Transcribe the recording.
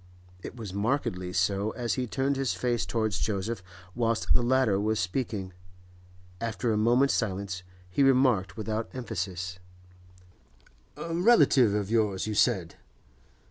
It was markedly so as he turned his face towards Joseph whilst the latter was speaking. After a moment's silence he remarked, without emphasis: 'A relative of yours, you said?